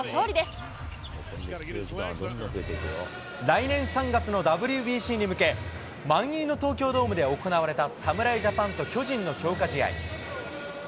来年３月のＷＢＣに向け、満員の東京ドームで行われた侍ジャパンと巨人の強化試合。